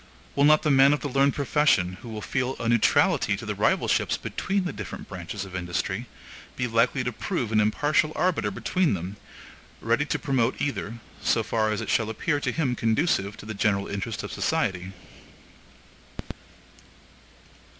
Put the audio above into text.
Will not the man of the learned profession, who will feel a neutrality to the rivalships between the different branches of industry, be likely to prove an impartial arbiter between them, ready to promote either, so far as it shall appear to him conducive to the general interests of the society?